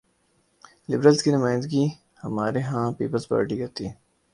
Liberals کی نمائندگی ہمارے ہاں پیپلز پارٹی کرتی ہے۔